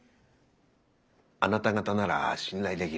あなた方なら信頼できる。